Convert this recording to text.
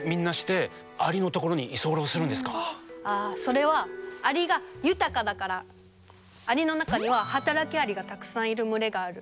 それはアリの中には働きアリがたくさんいる群れがある。